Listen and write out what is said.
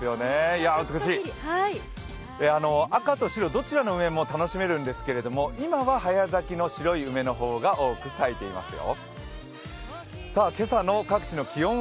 いや、美しい、紅と白、どちらの梅も楽しめるんですけど今は早咲きの白い梅の方が多く咲いていますよ。